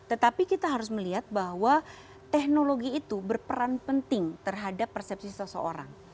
tetapi kita harus melihat bahwa teknologi itu berperan penting terhadap persepsi seseorang